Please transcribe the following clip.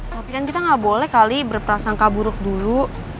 tapi kan kita nggak boleh kali berprasangka buruk dulu